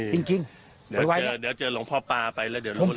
เดี๋ยวเจอหลวงพ่อปลาไปแล้วเดี๋ยวรู้แหละ